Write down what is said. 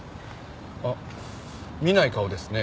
あっ見ない顔ですね。